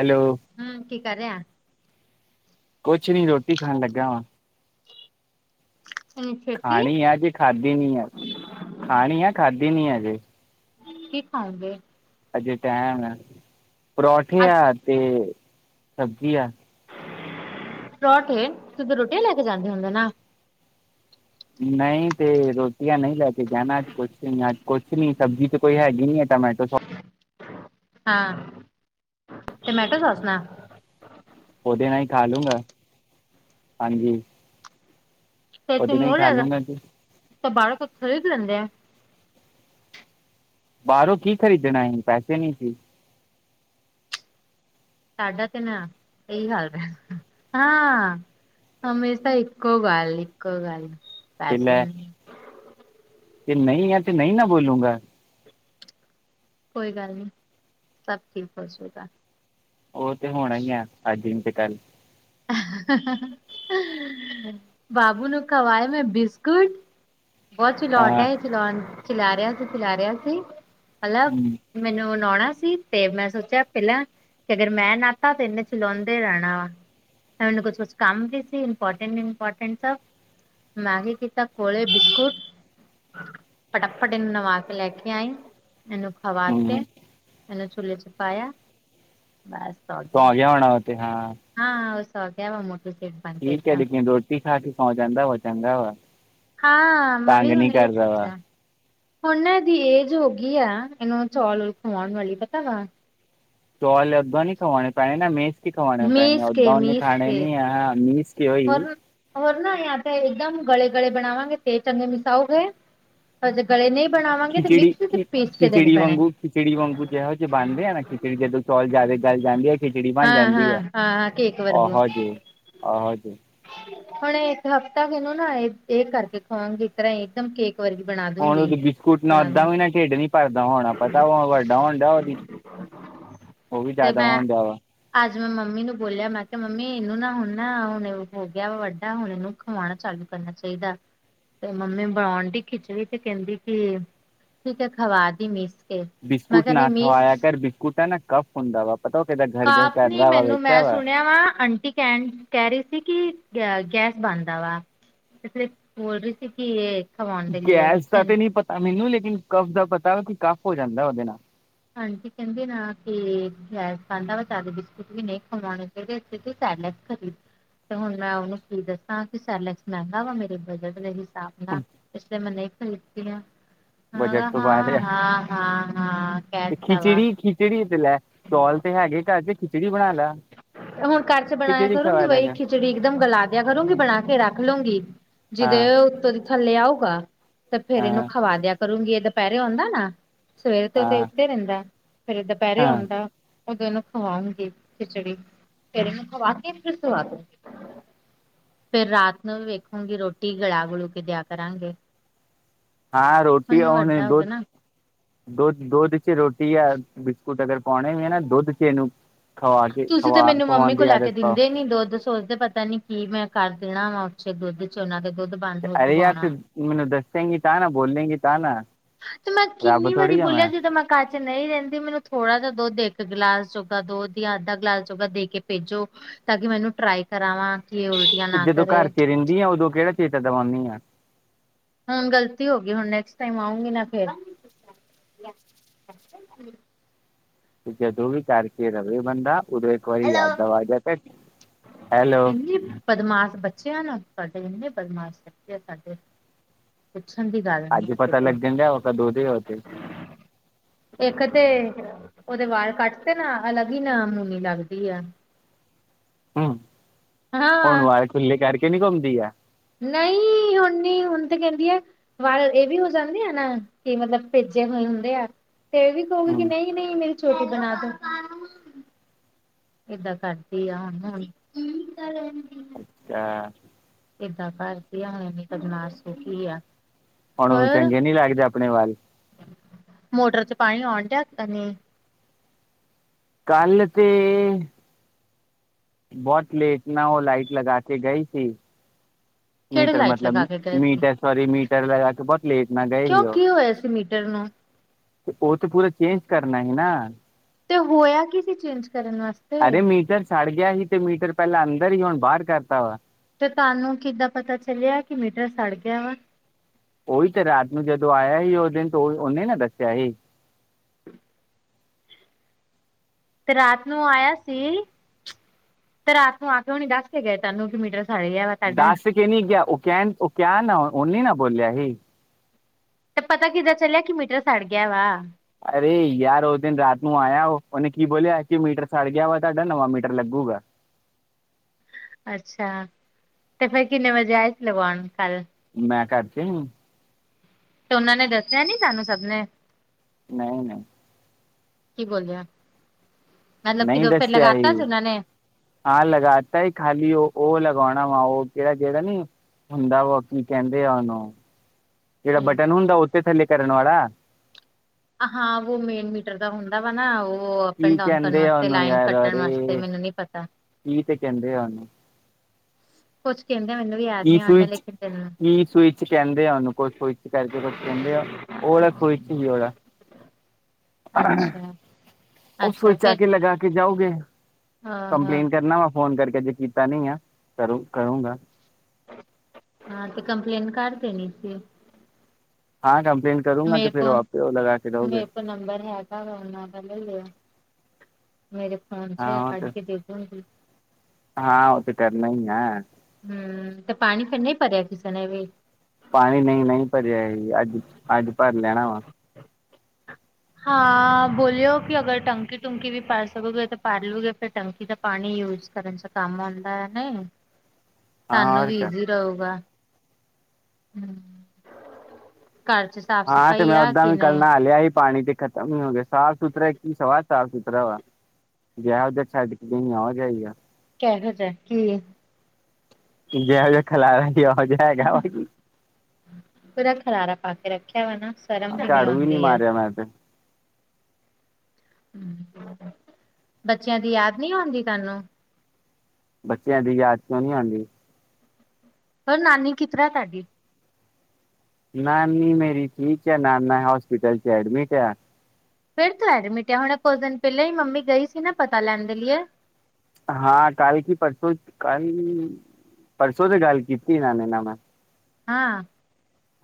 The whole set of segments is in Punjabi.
ਹੈਲੋ ਹਮ ਕੀ ਕਰ ਰਿਹਾ ਕੁਛ ਨੀ ਰੋਟੀ ਖਾਣ ਲੱਗਾ ਵਾ ਇੰਨੀ ਛੇਤੀ ਖਾਣੀ ਆ ਹਜੇ ਖਾਧੀ ਨੀ ਆ ਖਾਣੀ ਆ ਖਾਧੀ ਨੀ ਹਜੇ ਕੀ ਖਾਂਉਗੇ ਅਜੇ ਟਾਇਮ ਆ ਪਰੌਂਠੇ ਅੱਜ ਆ ਤੇ ਸਬਜ਼ੀ ਆ ਪਰੋਂਠੇ ਤੁਸੀਂ ਤਾਂ ਰੋਟੀ ਲੈ ਕੇ ਜਾਂਦੇ ਹੁੰਦੇ ਨਾ ਨਹੀਂ ਤੇ ਰੋਟੀਆਂ ਨਹੀਂ ਲੈ ਕੇ ਜਾਣਾ ਅੱਜ ਕੁਛ ਨੀ ਅੱਜ ਕੁਛ ਨੀ ਸਬਜ਼ੀ ਤੇ ਕੋਈ ਹੈਗੀ ਨੀ ਹੈ ਟਮੈਟੋ ਸੋ ਹਾਂ ਟਮੈਟੋ ਸੋਸ ਨਾ। ਉਹਦੇ ਨਾਲ ਹੀ ਖਾ ਲੂੰਗਾ ਹਾਂਜੀ। ਫਿਰ ਤੂੰ ਉਹਦੇ ਨਾਲ ਹੀ ਉਹ ਖਾ ਲੇਲਾ ਲੂੰਗਾ ਜੀ ਤੇ ਬਾਲਕ ਖਰੀਦ ਵੀ ਲੈਂਦੇ ਆ ਬਾਹਰੋਂ ਕੀ ਖਰੀਦਣਾ ਸੀ ਪੈਸੇ ਨਹੀਂ ਸੀ ਸਾਡਾ ਤੇ ਨਾ ਇਹੀ ਹਾਲ ਹੈ ਹਾਂ ਹਮੇਸ਼ਾ ਇੱਕੋ ਗੱਲ ਇੱਕੋ ਗੱਲ ਤੇ ਪੈਸੇ ਲੈ ਤੇ ਨਹੀਂ ਆ ਤੇ ਨਹੀਂ ਨਾ ਬੋਲੂਗਾਂ ਕੋਈ ਗੱਲ ਨੀ ਸਭ ਠੀਕ ਹੋ ਜਾਏਗਾ ਉਹ ਤੇ ਹੋਣਾ ਆ ਅੱਜ ਨਹੀਂ ਤੇ ਕੱਲ ਬਾਬੂ ਨੂੰ ਖਵਾਏ ਮੈਂ ਬਿਸਕੁੱਟ ਬਹੁੱਤ ਚਲਾਕ ਹਾਂ ਹੈ ਚਲਾਉਣ ਚਿਲਾ ਰਿਹਾ ਸੀ ਚਿਲਾ ਰਿਹਾ ਸੀ ਮਤਲੱਬ ਹੂੰ ਮੈਨੂੰ ਮਨਾਉਣਾ ਸੀ ਤੇ ਮੈਂ ਸੋਚਿਆ ਪਹਿਲਾਂ ਕਿ ਅਗਰ ਮੈਂ ਨਾ ਆਤਾ ਤੇ ਇਹਨੇ ਚਲਾਉਂਦੇ ਰਹਿਣਾ ਵਾ ਇਨੁੰ ਕੁੱਛ ਕੁਛ ਕੰਮ ਵੀ ਸੀ ਇੰਪਾਰਟੈਂਟ ਇੰਪਾਰਟੈਂਟ ਸੀ ਮੈ ਕੀ ਕਿਤਾ ਕੋਲੇ ਬਿਸਕੁਟ ਫਟਾੱਫਟ ਇਹਨੂੰ ਨਹਵਾ ਕੇ ਲੈ ਕੇ ਆਈ ਇਹਨੂੰ ਹਵਾ 'ਤੇ ਹੂੰ ਇਹਨੂੰ ਚੁੱਲ੍ਹੇ 'ਪਾਇਆ ਬੱਸ ਸੋਂ ਗਿਆ ਹੋਣਾ ਓਹ ਤੇ ਹਾਂ ਹਾਂ ਉਹ ਸੋ ਗਿਆ ਵਾ ਮਟ ਸੀ ਠੀਕ ਹੈ ਲੇਕਿਨ ਰੋਟੀ ਖਾ ਕੇ ਸ ਜਾਂਦਾ ਵਾ ਚੰਗਾ ਵਾ ਹਾਂ ਮੈਂ ਤੰਗ ਵੀ ਨਹੀਂ ਹੁਣ ਇਹੀ ਕਰਦਾ ਵਾ ਸੋਚਿਆ ਹੁਣ ਨਾ ਇਹਦੀ ਏਜ ਹੋ ਗਈ ਆ ਇਹਨੂੰ ਚੌਲ ਚੁਲ ਖਵਾਉਣ ਵਾਲੀ ਪਤਾ ਵਾ ਚੌਲ ਓਦੋਂ ਨੀ ਖਾਵਾਣੇ ਪੈਣੇ ਨਾ ਮੀਸ ਕੀ ਖਵਾਣੇ ਪੈਣੇ ਅਦੋਂ ਖਾਣੇ ਨ ਆ ਮੀਸ ਕੇ ਹੋਈ ਹੋਰ ਹੋਰ ਨਾ ਯਾਂ ਤਾਂ ਇੱਕਦਮ ਗਲੇ ਗਲੇ ਬਣਾਵਾਂਗੇ ਤੇ ਚੰਗੇ ਮਿਸਾਓਗੇ ਪਰ ਜੇ ਗਲੇ ਨਹੀਂ ਬਣਾਵਾਂਗੇ ਤੇ ਖਿਚੜੀ ਮਿਕਸੀ ਚ ਪੀਸ ਕੇ ਦੇਣੇ ਖਿਚੜੀ ਪੈਣੇ ਵਾਂਗੂ ਖਿਚੜੀ ਵਾਂਗੂ ਜ ਬਣਦੇ ਨਾ ਖਿਚੜੀ ਜਦੋਂ ਚੌਲ ਜਿਆਦਾ ਗੱਲ ਜਾਂਦੇ ਆ ਖਿਚੜੀ ਬਣ ਹਾਂ ਜਾਂਦੀ ਹਾਂ ਆ ਹਾਂ ਕੇਕ ਵਰਗੂ ਆਹੋ ਜੀ ਆਹੋ ਜੀ ਹੁਣ ਇੱਕ ਹਫ਼ਤਾ ਇਹਨੂੰ ਨਾ ਇਹ ਕਰਕੇ ਖਵਾਗੇ ਇਸ ਤਰ੍ਹਾਂ ਇਕਦਮ ਕੇਕ ਵਰਗੀ ਬਣਾ ਹੁਣ ਦੂੰਗੀ ਉਹਦੀ ਬਿਸਕੁੱਟ ਨਾਲ ਬਣਾ ਅੱਧਾਂ ਦੂੰ ਵੀ ਨਾ ਢਿੱਡ ਨਹੀਂ ਭਰਦਾ ਹੋਣਾ ਪਤਾ ਵੱਡਾ ਹੋਣ ਡਿਆ ਉਹਦੀ ਉਹ ਵੀ ਤੇ ਜਿਆਦਾ ਮੈਂ ਹੋਣ ਡ ਵਾ [inaudible] ਅੱਜ ਮੈਂ ਮੰਮੀ ਨੂੰ ਬੋਲਿਆ, ਮੈਂ ਕਿਹਾ, ਮੰਮੀ, ਇਹਨੂੰ ਨਾ! ਹੁਣ ਨਾ ਹੁਣ! ਹੋ ਗਿਆ ਵਾ ਵੱਡਾ, ਹੁਣ ਇਹਨੂੰ ਖਵਾਉਣਾ ਚਾਲੂ ਕਰਨਾ ਚਾਹੀਦਾ। ਤੇ ਮੰਮੀ ਬਣਾਉਣ ਦੀ ਖਿਚੜੀ, ਤੇ ਕਹਿੰਦੀ ਕਿ ਠੀਕ ਹੈ, ਖਵਾ ਦੀ ਮੀਸ। ਕੇ ਮੈਂ ਬਿਸਕੁਟ ਕਿਹਾ ਨਾ ਨਹੀਂ ਖਵਾਇਆ ਮੀਸ ਕਰ। ਬਿਸਕੁਟ ਆ ਨਾ ਕਫ ਹੁੰਦਾ ਵਾ, ਪਤਾ? ਉਹ ਕਹਿੰਦਾ, ਘਰ- ਘਰ। ਕਾਫ਼ ਨੀ, ਕਰਦਾ ਵਾ ਮੈਨੂੰ ਮੈਂ ਵੇਖਿਆ ਵਾ ਸੁਣਿਆ ਵਾਂ। ਆਂਟੀ ਕਹਿਣ ਕਹਿ ਰਹੀ ਸੀ। ਕਿ ਗੈ, ਗੈਸ ਬਣਦਾ ਵਾ, ਇਸ ਲਈ ਬੋਲ ਰਹੀ ਸੀ ਕਿ ਇਹ ਖਵਾਉਣ ਦੇ ਲਈ ਗੈਸ ਦਾ ਕਹਿੰ ਤੇ ਨਹੀਂ ਪਤਾ ਮੈਨੂੰ, ਲੇਕਿਨ ਕਫ ਦਾ ਪਤਾ ਕਿ ਕਫ ਹੋ ਜਾਂਦਾ ਉਹਦੇ ਨਾਲ। ਹਾਂਜੀ ਕਹਿੰਦੇ ਨਾ ਕਿ ਗੈਸ ਖਾਂਦਾ ਵਾ ਜ਼ਿਆਦਾ ਬਿਸਕੁਟ ਵੀ ਨਹੀਂ ਖਵਾਉਣੇ ਚ ਖ [inaudible] ਤੇ ਹੁਣ ਮੈਂ ਉਹਨੂੰ ਕੀ ਦੱਸਾਂ ਕਿ ਸੈਲੈਕਸ ਮਹਿੰਗਾ ਵਾ, ਮੇਰੇ ਬਜਟ ਲਈ? ਇਸ ਲਈ ਮੈਂ ਨਹੀਂ ਖਰੀਦੀਦੀ ਆ ਬਜਟ ਹਾਂ ਤੋਂ ਬਾਹਰ ਹਾਂ ਆ [inaudible] ਹਾਂ ਹਾਂ। ਕਹਿ ਤੇ ਦਿੱਤਾ ਵਾ ਖਿਚੜੀ, ਖਿਚੜੀ ਤੇ ਲੈ ਚੌਲ ਤੇ ਹੈਗੇ ਘਰ ਚ, ਖਿਚੜੀ ਬਣਾ ਲੈ। ਹੁਣ ਘਰ ਚ ਬਣਾਇਆ ਖਿਚੜੀ ਕਰੂੰਗੀ ਖਵਾ ਬਹੀ ਦੇਗਾ ਖਿਚੜੀ ਇੱਕਦਮ ਗਲਾ ਦਿਆ ਕਰੂੰਗੀ ਬਣਾ ਕੇ ਰੱਖ ਲਊਂਂਗੀ। ਜਿਦੇ ਹਾਂ ਏ ਉੱਤੋਂ ਦੀ ਥੱਲੇ ਆਊਗਾ ਤੇ ਫੇਰ ਇਹਨੂੰ ਹਾਂ ਖਵਾ ਦਿਆ ਕਰੂੰਗੀ, ਇਹ ਦੁਪਹਿਰੇ ਆਉਂਦਾ ਨਾ। ਸਵੇਰ ਤੋਂ ਤਾਂ ਏ ਹਾਂ ਉੱਤੇੇ ਰੈਂਦਾ, ਫੇਰ ਦੁਪੈਰੇ ਹਾਂ ਆਉਂਦਾ ਓਦੋ ਇਹਨੂੰ ਖਵਾਉਂਗੀ। ਖਿਚੜੀ, ਫੇਰ ਇਨੂੰ ਖਵਾ ਕੇ ਫਿਰ ਸੁਵਾ ਦੂੰਗੀ। ਫੇਰ ਰਾਤ ਨੂੰ ਵੀ ਵੇਖੂੰਗੀ ਰੋਟੀ ਗਲਾ-ਗਲੂ ਕੇ ਦਿਆ ਕਰਾਂਗੇ। ਹਾਂ ਰੋਟੀ ਹੁਣ ਮੈਂ ਔਣੇ ਵੱਡਾ ਹੋ ਗਿਆ ਦੁੱਧ ਨਾ ਦੁੱਧ ਦੁੱਧ ਚ ਰੋਟੀ ਜਾਂ ਬਿਸਕੁੱਟ ਅਗਰ ਪਾਉਣੇ ਵੀ ਹੈ ਨਾ ਦੁੱਧ ਚ ਇਹਨੂੰ ਖਵਾ ਕੇ ਖਵਾ ਖਵਾਉਣ ਦੀ ਆਦਤ ਪਾਓ ਨਹੀਂ ਨਹੀਂ ਦੁੱਧ ਚੱ ਸੋਚਦੇ ਪਤਾ ਨੀ ਕੀ ਮੈਂ ਕਰ ਦੇਣਾ ਵਾ ਉੱਥੇ ਦੁੱਧ ਉਹਨਾ ਦੁੱਧ ਬੰਦ ਹੋ ਅਰੇ ਚੁੱਕਾ ਯਾਰ, ਤੇ ਹੋਣਾ ਮੈਨੂੰ ਦੱਸੇਗੀ ਤਾਂ ਨਾ। ਬੋਲਲੇਗੀ ਤਾਂ ਨਾ। ਤੇ ਮੈਂ ਰੱਬ ਕਿੰਨੀ ਵਾਰੀ ਥੋੜ੍ਹੀ ਆ ਬੋਲਿਆ, ਜਦੋਂ ਮੈਂ ਕੱਚ ਨਹੀਂ ਰਹਿੰਦੀ। ਮੈਨੂੰ ਥੋੜਾ ਜਿਹਾ ਦੁੱਧ, ਇੱਕ ਗਿਲਾਸ ਜੋਗਾ ਦੁੱਧ ਯਾ ਅੱਧਾ ਗਿਲਾਸ ਜੋਗਾ ਦੇ ਕੇ ਭੇਜੋ। ਤਾਂ ਕਿ ਮੈਨੂੰ ਟਰਾਈ ਕਰਾਵਾਂ, ਕਿ ਉਹ ਤੇ ਜਦੋਂ ਘਰ ਚ ਰਹਿੰਦੀ ਆ, ਉਦੋਂ ਕਿਹੜਾ ਚੇਤਾ ਦਵਾਨੀ ਆ? ਹਾਂ, ਗਲਤੀ ਹੋ ਗਈ। ਹੁਣ ਨੈਕਸਟ ਟਾਈਮ ਆਉਂਗੀ ਨਾ ਫਿਰ? ਤੇ ਜਦੋਂ ਵੀ ਕਰਕੇ ਰਵੇ ਬੰਦਾ, ਉਦੋਂ ਇੱਕ ਵਾਰੀ ਯਾਦ ਆ ਜਾ ਤ, ਹੈਲੋ। ਇੰਨੀ ਬਦਮਾਸ਼ ਬੱਚੇ ਨਾ ਸਾਡੇ। ਇੰਨੇ ਬਦਮਾਸ਼ ਬੱਚੇ ਆ ਸਾਡੇ। ਪੁੱਛਣ ਦੀ ਗੱਲ। ਨੀ ਅੱਜੀ ਆ ਪਤਾ ਕਿਤੇ ਲੱਗਿੰ ਢੇਆ ਔਹ ਤਾ ਦੂਦੀ ਹੋਦੀ। ਇੱਕ ਤੇ ਉਹਦੇ ਵਾਲ -ਕੱਟ, ਤੇ ਨਾ ਅਲੱਗ ਹੀ ਨਾਮੂਨੀ ਲੱਗਦੀ ਆ। ਹਮ ਹੁਣ ਹਾਂ ਵਾਲ ਖੁੱਲੇ ਕਰਕੇ ਨੀ ਘੁੰਮਦੀ ਆ। ਨਈਂ, ਹੁਣ ਨੀ ਹੁਣ ਤੇ ਕਹਿੰਦੀ ਐ। ਵਾ ਇਹ ਵੀ ਹੋ ਜਾਂਦੀ ਐ ਨਾ ਕਿ ਮਤਲਬ ਭੇਜੇ ਹੋਏ ਹੁੰਦੇ ਆ ਤੇ ਇਹ ਵੀ ਕਹੂਗੀ ਕਿ ਹੂੰ ਨਈਂ। ਨਈਂ, ਮੇਰੀ ਛੋਟੀ ਬਣਾ ਦੋ। ਏਦਾਂ ਕਰਦੀ ਆ ਹਨਾ, ਹੁਣ। [inaudible] ਏਦਾਂ ਘਰ ਕੀ ਆ, ਹੁਣੇ [unintelligible] ਸੁਖੀ ਆ। ਤੁਹਾਨੂੰ ਉ ਹੋਰ ਚੰਗੇ ਨੀ ਲੱਗਦੇ ਆਪਣੇ ਵੱਲ ਮੋਟਰ ਚ ਪਾਣੀ ਔਣ ਡਿਆ ਕੇ ਨਹੀਂ। ਕੱਲ ਤੇ ਬੋਤ ਲੇਟ ਨਾ ਓ ਲਾਈਟ ਲਗਾ ਕੇ ਗਈ ਸੀ। ਕਿਹੜੇ ਮੀਟਰ ਲਾਈਟ ਮਤਲਬ, ਲਗਾ ਕੇ ਗਏ ਸੀ ਮੀਟਰ ਸੋਰੀ ਮੀਟਰ ਲਗਾ ਕੇ ਬੋਤ ਲੇਟ ਨਾ ਗਏ ਈ ਕਿਉਂ ਓ। ਕੀ ਹੋਇਆ ਸੀ ਮੀਟਰ ਨੂੰ ਓ ਤੇ ਪੂਰਾ ਚੇਂਜ ਕਰਨਾ ਹੀ ਨਾ। ਤੇ ਹੋਇਆ ਕੀ ਸੀ ਚੇਂਜ ਕਰਨ ਵਾਸ ਅਰੇ ਮੀਟਰ ਸੜ ਗਿਆ ਸੀ ਤੇ ਮੀਟਰ ਪੈਲਾਂ ਅੰਦਰ ਈ ਹੁਣ ਬਾਰ ਕਰਤਾ ਵਾ ਤੇ ਤੁਹਾਨੂੰ ਕਿੱਦਾਂ ਪਤਾ ਚੱਲਿਆ ਕਿ ਮੀਟਰ ਸੜ ਗਿਆ ਵਾ ਉਹੀ ਤੇ ਰਾਤ ਨੂੰ ਜਦੋਂ ਆਇਆ ਸੀ ਉਸ ਦਿਨ ਤਾਂ ਉਹਨੇ ਨਾ ਦੱਸਿਆ ਸੀ ਤੇ ਰਾਤ ਨੂੰ ਆਇਆ ਸੀ ਤੇ ਰਾਤ ਨੂੰ ਆ ਕੇ ਹਣੀ ਦੱਸ ਕੇ ਗਏ ਤੈਨੂੰ ਕਿ ਮੀਟਰ ਸਾੜੇ ਆ ਦੱਸ ਕੇ ਨੀ ਗਿਆ ਉਹ ਕਹਿਣ ਉਹ ਕ ਨਾ ਉਹਨੇ ਨਾ ਬੋਲਿਆ ਸੀ ਤੇ ਪਤਾ ਕਿੱਦਾਂ ਚੱਲਿਆ ਕਿ ਮੀਟਰ ਸੜ ਗਿਆ ਵਾ ਅਰੇ ਯਾਰ ਉਹ ਦਿਨ ਰਾਤ ਨੂੰ ਆਇ ਉਹਨੇ ਕੀ ਬੋਲਿਆ ਕਿ ਮੀਟਰ ਸੜ ਗਿਆ ਵਾ ਤੁਹਾਡਾ ਨਵਾਂ ਮੀਟਰ ਲੱਗੂਗਾ ਅੱਛਾ ਤੇ ਫੇਿਰ ਕਿੰਨੇ ਵਜੇ ਆਏ ਲਗਾਉਣ ਕੱਲ ਮੈਂ ਕਰ ਚ ਤੇ ਉਹਨਾਂ ਨੇ ਦੱਸਿਆ ਨੀ ਸਾਨੂੰ ਸਭ ਨੇ ਨਹੀਂ ਨਹੀਂ ਕੀ ਬੋਲਦੇ ਮਤਲਬ ਕਿ ਨਹੀਂ ਫੇਿਰ ਦੱਸਿਆ ਲਗਾਤਾ ਜ ਹੀ ਉਹਨਾਂ ਨੇ ਹਾਂ ਲਗਾਤਾ ਖਾਲੀ ਉਹ ਉਹ ਲਗਾਉਣਾ ਵਾ ਉਹ ਕਿਹੜਾ ਕਿਹੜਾ ਨੀ ਹੁੰਦਾ ਵਾ ਕੀ ਕਹਿੰਦੇ ਆ ਉਹਨੂੰ ਜਿਹੜਾ ਬਟਨ ਹੁੰਦਾ ਉਥੇ ਥੱਲੇ ਕਰਨ ਵਾਲਾ ਹਾਂ ਵੋ ਮੇਨ ਮੀਟਰ ਹੁੰਦਾ ਵਾ ਨਾ ਉਹ ਅਪ ਐਂਡ ਕੀ ਡਾਊਨ ਕਰਨ ਕਹਿੰਦੇ ਆ ਵਾਸਤੇ ਉਹਨੂੰ ਲਾਈਨ ਯਾਰ ਕੱਟਣ ਵਾਸਤੇ ਅਰੇ ਮੈਨੂੰ ਨੀ ਪਤਾ ਕੀ ਸੈਕਿੰੇ ਹਾਨੂੰ ਕੁਛ ਕਹਿੰਦੇ ਮੈਨੂੰ ਵੀ ਯਾਦ ਨ ਆਂਦਾ ਲੇਕਿਨ ਤੈਨੂੰ ਈ ਸਵਿੱਚ ਕਹਿੰਦੇ ਆ ਉਹਨੂੰ ਕ ਕੋਈ ਕੁ ਸਵਿੱਚ ਕਰਕੇ ਕੁਛ ਕਹਿੰਦੇ ਆ, ਓ ਵਾਲਾ ਸਵਿੱਚ ਈ [unintelligible] ਅੱਛਾ ਓ ਅੱਛਾ ਸਵਿਚ ਆ ਫਿਰ ਕੇ ਲਗਾ ਕੇ ਜਾਓਗੇ, ਹਾਂ ਹਾਂ ਕੰਪਲੇਨ ਕਰਨਾ ਵਾ। ਫੋਨ ਕਰਕੇ ਅਜੇ ਕੀਤਾ ਨੀ ਆ, ਕਰੂ ਕਰੂੰਗਾ। ਹਾਂ ਤੇ ਕੰਪਲੇਂਨ ਕਰ ਦੇਨੀ ਸੀ। ਹਾਂ ਕੰਪਲੇਂਨ ਕਰੂੰਗਾ ਤੇ ਮੇਰੇ ਫਿਰ ਓ ਕੋ ਆਪੇ ਉਹ ਲਗਾ ਕੇ ਜਾਉਗੇ। ਮੇਰੇ ਕੋਲ ਨੰਬਰ ਹੈ ਤਾਂ ਲੈ ਲਿਆ ਮੇਰੇ ਫੋਨ ਚ ਕੱਢ ਕੇ ਦੇਖਣਗੀ ਹਾਂ ਥ ਟਾਰਨਾ ਗਾ ਹਮ ਤੇ ਪਾਣੀ ਫਿਰ ਨਹੀਂ ਪਰਿਆ ਕਿਸਾਨ ਵੀ ਪਾਣੀ ਨਹੀਂ ਨਹੀਂ ਭਰਿਆ ਸੀ ਅੱਜ ਅੱਜ ਭਰ ਲੈਣਾ ਵਾ ਹਾਂ ਬੋਲਿਓ ਕਿ ਅਗਰ ਟੰਕੀ ਟੁੂੰਕੀ ਵੀ ਪਾ ਸਕੂਗੇ ਤਾਂ ਪਾ ਲੂਗੇ ਫਿਰ ਟੰਕੀ ਦਾ ਪਾਣੀ ਯੂਜ ਕਰਨ ਚ ਕੰਮ ਹੁੰਦਾ ਹੈ ਨੇ ਹ ਸਾਨੂੰ ਵੀ ਜ਼ੀ ਰਹੇਗਾ ਹ ਘਰ ਚ ਸਾਫ਼ ਹਾਂ ਤੇ ਸਫ਼ਾਈ ਮੈਂ ਆ ਓਦਾਂ ਕਿ ਵੀ ਨਹੀਂ ਕੱਲਣਾ ਆ ਲਿਆ ਹੀ ਪਾਣੀ ਤੇ ਖਤਮ ਨ ਹੋ ਗਿਆ ਸਾਫ਼ ਸੁਥਰਾ ਕੀ ਸਵਾ ਸਾਫ਼ ਸੁਥਰਾ ਵਾ ਗਿਆ ਉਹਜ ਛੱਡ ਕੇ ਆ ਗਿਆ ਹੀਗਾ ਕਿਹੋ ਜਿਹਾ ਕੀ ਜ ਜ ਖਲਾ ਜੀ ਹੋ ਜਾਏਗਾਾ ਜੀ ਪੂਰਾ ਖਰਾਰਾ ਪਾ ਕੇ ਰੱਖਿਆ ਵਾ ਨਾ ਸ਼ਰਮ ਵੀ ਨ ਝਾੜੂ ਨਹੀਂ ਆਉਂਦੀ ਆ ਮਾਰਿਆ ਮੈਂ ਤੇ ਬੱਚਿਆਂ ਦੀ ਯਾਦ ਨੀ ਆਉਂਦੀ ਤੁਹਾਨੂੰ ਬੱਚਿਆਂ ਦੀ ਯਾਦ ਕਿਉਂ ਨੀ ਆਉਂਦੀ ਪਰ, ਨਾਨੀ ਕੀ ਤਰਾ ਤੁਹਾਡੀ? ਨਾਨੀ ਮੇਰੀ ਠੀਕ ਐ, ਨਾਨਾ ਹੌਸਪੀਟਲ'ਚ ਐਡਮਿਟ ਏ। ਫਿਰ ਤੋਂ ਐਡਮਿਟ ਏ? ਹੁਣ, ਕੁਝ ਦਿਨ ਪਹਿਲਾਂ ਹੀ ਮੰਮੀ ਗਈ ਸੀ ਨਾ, ਪਤਾ ਲੈਣ ਦੇ ਲੀਏ। ਹਾਂ, ਕੱਲ ਕੀ ਪਰਸੋਂ, ਕੱਲ! ਪਰਸੋਂ ਤੇ ਗੱਲ ਕੀਤੀ ਨਾਂ ਮੇਂ ਨਾ ਮਾ ਹਾਂ!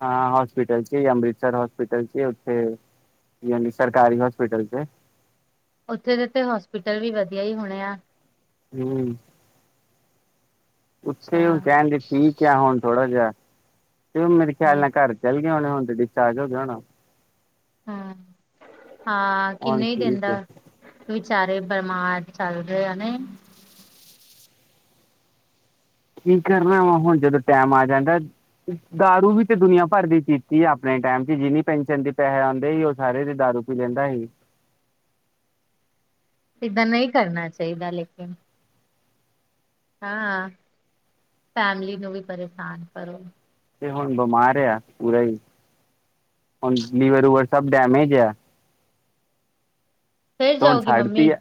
ਹਾਂ, ਹੌਸਪੀਟਲ'ਚ ਅੰਮ੍ਰਿਤਸਰ ਹੌਸਪੀਟਲ'ਚ ਉੱਥੇ। ਯਾਨੀ, ਸਰਕਾਰੀ ਹੌਸਪੀਟਲ ਤੇ। ਉੱਥੇ ਦੇ ਤੇ, ਹੌਸਪੀਟਲ ਵੀ ਵਧੀਆ ਹੀ ਹੋਣੇ ਆ। ਹੂੰ, ਅੱਛਾ ਉੱਥੇ ਉਹ ਕਹਿੰਦੀ ਠੀਕ ਕਿਆ ਹੁਣ ਥੋੜਾ ਜਿਹਾ, ਚਲੋ ਮੇਰੇ ਖਿਆਲ ਹਾਂ ਨਾਲ ਘਰ ਚਲੇ ਗਏ ਹੋਣੇ, ਹੁਣ ਤੇ ਡਿਸਚਾਰਜ ਹੋਗਿਆ ਹੋਣਾ। ਹਾਂ, ਹਾਂ, ਹੁਣ ਕਿੰਨੇ ਹੀ ਠੀਕ ਦਿਨਦਾ ਹੈ ਵਿਚਾਰੇ ਬਮਾਰ ਚੱਲ ਰਹੇ ਆ, ਨਹੀਂ। ਕੀ ਕਰਨਾ ਵਾ, ਹੁਣ ਜਦੋਂ ਟੈਮ ਆ ਜਾਂਦਾ। ਦਾਰੂ ਵੀ ਤੇ ਦੁਨੀਆਂ ਭਰ ਦੀ ਪੀਤੀ ਆਪਣੇ ਟਾਈਮ'ਚ, ਜਿੰਨੀ ਪੈਨਸ਼ਨ ਦੇ ਪੈਹੇ ਆਂਦੇ ਹੀ, ਉਹ ਸਾਰੇ ਦੇ ਦਾਰੂ ਕੋਈ ਲੈਂਦਾ ਹੀ। ਇਹਦਾਂ ਨਹੀਂ ਕਰਨਾ ਚਾਹੀਦਾ, ਲੇਕੀਨ। ਹਾਂ, ਫੈਮਲੀ ਨੂੰ ਵੀ ਪਰੇਸਾਨ ਕਰੋ। ਤੇ ਹੁਣ, ਬਮਾਰ ਯਾ ਪੂਰਾ ਹੀ, ਹੁਣ ਲੀਵਰ-ਲੂਵਰ ਸਭ ਡੈਮੇਜ ਆ। ਫਿਰ ਹੁਣ ਜਾਊਗੀ ਛੱਡਤੀ ਮੰਮੀ ਆ,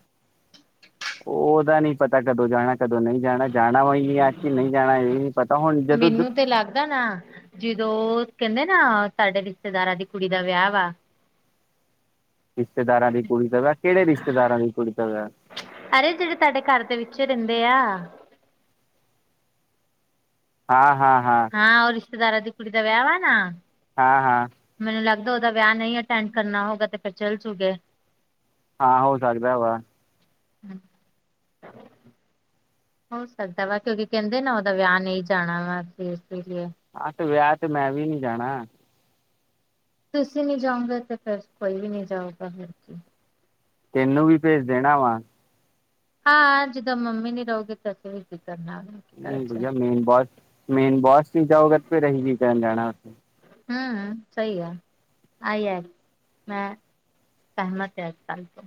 ਉਹਦਾ ਨਹੀਂ ਪਤਾ ਕਦੋਂ ਜਾਣਾ, ਕਦੋਂ ਨਹੀਂ। ਜਾਣਾ, ਜਾਣਾ ਵੲਈ ਕੇ ਨਹੀਂ ਜਾਣਾ, ਇਹ ਵੀ ਨਹੀਂ ਪਤਾ ਹੁਣ ਜਦੋਂ ਤੇ ਲੱਗਦਾ ਨਾ ਜਿਦੋ ਕਹਿੰਦੇ ਨਾ, ਸਾਡੇ ਰਿਸ਼ਤੇਦਾਰਾਂ ਦੀ ਕੁੜੀ ਦਾ ਵਿਆਹ ਵਾ। ਰਿਸ਼ਤੇਦਾਰਾਂ ਦੀ ਕੁੜੀ ਦਾ ਵਾ, ਕਿਹੜੇ ਰਿਸ਼ਤੇਦਾਰਾਂ ਦੀ ਕੁੜੀ ਦਾ ਵਾ? ਅਰੇ, ਜਿਹੜੇ ਤੁਹਾਡੇ ਘਰ ਦੇ ਵਿੱਚੇ ਰਹਿੰਦੇ ਆ। ਹਾਂ, ਹਾਂ, ਹਾਂ। ਹਾਂ, ਓ ਰਿਸ਼ਤੇਦਾਰਾਂ ਦੀ ਕੁੜੀ ਦਾ ਵਿਆਹ ਵਾ ਨਾ। ਹਾਂ, ਹਾਂ। ਮੈਨੂੰ ਲੱਗਦਾ ਉਹਦਾ ਵਿਆਹ ਨਹੀਂ ਅਟੈਂਡ ਕਰਨਾ ਹੋਊਗਾ, ਤੇ ਫਿਰ ਚੱਲ-ਚੁਲ ਗਏ। ਹਾਂ, ਹੋ ਸਕਦਾ ਵਾ। ਹੋ ਸਕਦਾ ਵਾ, ਕਿਉਂਕਿ ਕਹਿੰਦੇ ਨਾ ਉਹਦਾ ਵਿਆਹ ਨਹੀਂ ਜਾਣਾ ਵਾ ਇਸੇ ਲੀਏ। ਆਹ ਤੇ ਵਿਆਹ ਤੇ, ''ਮੈਂ ਵੀ ਨੀ ਜਾਣਾ। ਤੁਸੀਂ ਨੀ ਜਾਓਂਗੇ ਤੇ, ਫਿਰ ਕੋਈ ਵੀ ਨਹੀਂ ਜਾਉਗਾ ਫਿਰ ਕੀ। ਤੈਨੂੰ ਵੀ ਭੇਜ ਦੇਣਾ ਵਾ। ਹਾਂ, ਜਿਦੋਂ ਮੰਮੀ ਨੀ ਰਹੋਗੇ, ਤਾਂ ਅਸੀਂ ਵੀ ਕੀ ਕਰਨਾ ਵੇ। ਵਧੀਆ ਮੇਨ ਬੌਸ, ਮੇਨ ਬੋਸ ਨੀ ਜਾਉਗਾ, ਤੇ ਫਿਰ ਅਹੀ ਕੀ ਕਰਨ ਜਾਣਾ, ਉੱਥੇ। ਹੂੰ, ਸਹੀ ਆ, ਆਈ ਐ ''ਮੈਂਂ ਸਹਿਮਤ ਹੈ ਐਸ ਗੱਲ ਤੋ।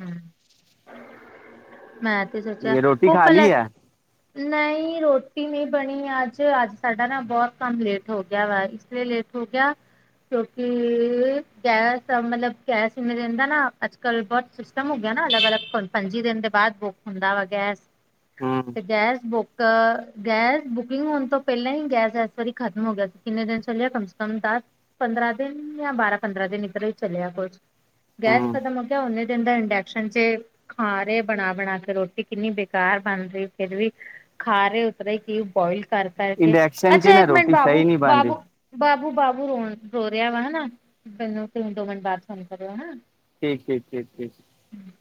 ਹੂੰ, ਮੈਂ ਤੇ ਸੋਚਿਆ ਇਹ ਰੋਟੀ ਉਹ ਖਾ ਪਲ ਲਈ ਹੈ ਨਹੀਂ ਰ੍ਹੋਟੀ ਨਹੀਂ ਬਣੀ ਅੱਜ, ਅੱਜ ਸਾਡਾ ਨਾ ਬਹੁਤ ਕੰਮ ਲੇਟ ਹੋਗਿਆ ਵਾ, ਇਸ ਲਈ ਲੇਟ ਹੋਗਿਆ। ਕਿਉਂਕੀ ਗੈਸ ਮਤਲਬ, ਗੈਸ ਹੀ ਮ ਰਹਿੰਦਾ ਨਾ, ਅੱਜ-ਕੱਲ ਬਹੁਤ ਸਿਸਟਮ ਹੋਗਿਆ ਨਾ, ਅਲੱਗ-ਅਲੱਗ ਹੁਣ ਪੰਜੀ ਦਿਨ ਦੇ ਬਾਅਦ ਬੁੱਕ ਹੁੰਦਾ ਵਾ ਗੈਸ। ਹੂੰ ਤੇ ਗੈਸ ਬੁੱਕ ਅ, ਗੈਸ ਬੁਕਿੰਗ ਹੋਣ ਤੋਂ ਪਹਿਲਾਂ ਹੀ ਗੈਸ ਇਸ ਵਾਰੀ ਖਤਮ ਹੋ ਗਿਆ ਸੀ, ਕਿੰਨੇ ਦਿਨ ਚੱਲਿਆ ਕਮ ਸੇ ਕਮ ਦਸ ਪੰਦਰਾਂ ਦਿਨ, ਯਾ ਬਾਰਾਂ, ਪੰਦਰਾਂ ਦਿਨ ਇੱਧਰ ਹੀ ਚੱਲਿਆ ਕੁਝ। ਗੈਸ ਹੂੰ ਖ਼ਤਮ ਹੋਗਿਆ ਹੁਨੇ ਕਹਿੰਦਾ ਇੰਡਕਸ਼ਨ'ਚੇ ਖਾ ਰਹੇ ਬਣਾ-ਬਣਾਕੇ ਰ੍ਹੋਟੀ, ਕਿੰਨੀ ਬੇਕਾਰ ਬਣ ਰਹੀ ਫਿਰ ਵੀ ਖਾ ਰਹੇ, ਉਤਰੇ ਕਿ ਬੋਇਲ ਕਰ-ਕਰਕੇ, ਇੰਡੈਕਸ਼ਨ 'ਚ ਅੱਛਾ ਨਾ ਇੱਕ ਮਿੰਟ ਰੋਟੀ ਬਾਬੂ, ਸਹੀ ਨਹੀਂ ਬਣਦੀ ਬਾਬੂ ਬਾਬੂ-ਬਾਬੂ ਰੋ, ਰੋ ਰਿਹਾ ਵਾ ਹਨਾ, ਮੈਨੂੰਂ ਦੋ ਮਿੰਟ ਬਾਅਦ ਫੋਨ ਕਰਿਓ ਹਨਾ। ਠੀਕ, ਠੀਕ, ਠੀਕ, ਠੀਕ। ਹੂੰ